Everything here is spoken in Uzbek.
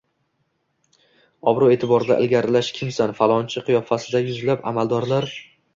obro’-e’tiborda ilgarilash, kimsan – falonchi qiyofasida yuzlab amaldorlar